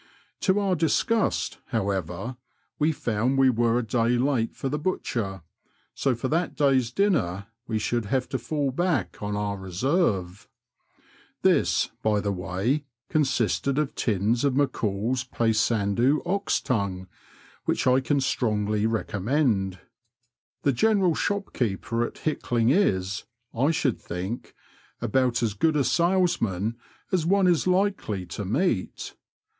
To our disgust, however, we found wo were a day late for the butcher, so for that day's dinner we should have to fall back on our reserve ; this, by the way, consisted of tins of McCall's Paysandu ox tongue, which I can strongly recommehd. The general shopkeeper at Hickling is, I should think, about as good a salesman as one is likely to meet.